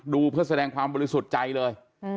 เพื่อแสดงความบริสุทธิ์ใจเลย